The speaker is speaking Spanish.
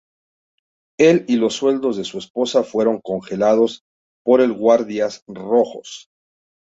Él y los sueldos de su esposa fueron congelados por el Guardias rojos.